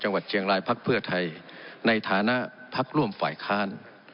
จังหวัดเชียงรายพักเพื่อไทยในฐานะพักร่วมฝ่ายค้าน